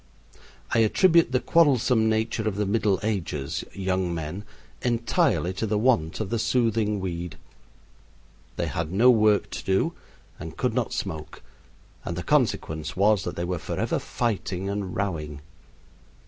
I attribute the quarrelsome nature of the Middle Ages young men entirely to the want of the soothing weed. They had no work to do and could not smoke, and the consequence was they were forever fighting and rowing.